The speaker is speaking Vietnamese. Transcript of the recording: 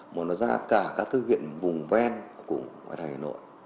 mà ra cả các cơ huyện vùng ven cũng ngoài thành hà nội